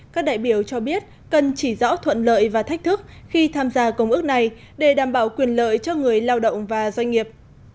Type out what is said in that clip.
các đại biểu cho biết cần chỉ rõ thuận lợi và thách thức khi tham gia công ước này để đảm bảo quyền lợi cho người lao động và doanh nghiệp